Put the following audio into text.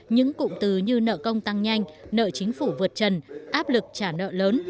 những cụm từ như nợ công tăng nhanh nợ chính phủ vượt trần áp lực trả nợ lớn